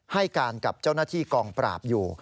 ให้การกับเจ้าหน้าที่กองปราบอยู่